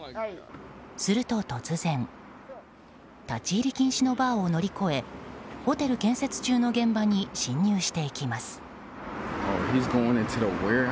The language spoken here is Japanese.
すると突然立ち入り禁止のバーを乗り越えホテル建設中の現場に侵入していきます。